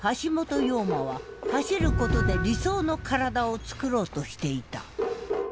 陽馬は走ることで理想の身体をつくろうとしていた。